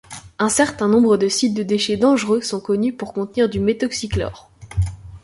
Un certain nombre de sites de déchets dangereux sont connus pour contenir du méthoxychlore.